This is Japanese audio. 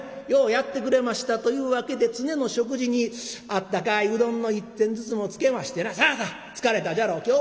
ようやってくれました」というわけで常の食事にあったかいうどんの一膳ずつもつけましてな「さあさあ疲れたじゃろう。